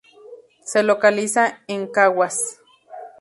Se localiza en Caguas.